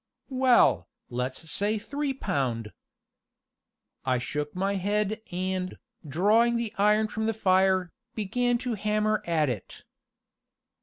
"Well, let's say three pound." I shook my head and, drawing the iron from the fire, began to hammer at it.